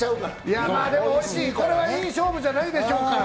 これはいい勝負じゃないでしょうか。